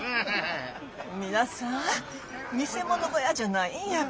皆さん見せ物小屋じゃないんやけん。